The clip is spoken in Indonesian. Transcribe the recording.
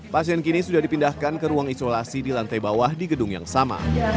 pasien kini sudah dipindahkan ke ruang isolasi di lantai bawah di gedung yang sama